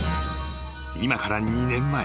［今から２年前］